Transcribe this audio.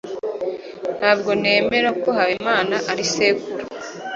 Ntabwo nemera ko Habimana ari sekuru.